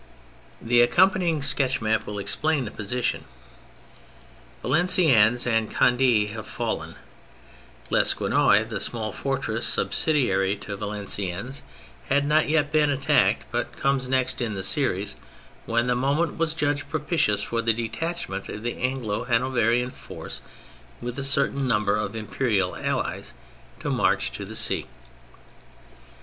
The accomi3anying sketch map will explain the position. Valenciennes and Conde have fallen; Lequesnoy, the small fortress sub sidiary to Valenciennes, has not yet been attacked but comes next in the series, when the moment was judged propitious for the detachment of the Anglo Hanoverian force with a certain number of Imperial Allies to march to the sea.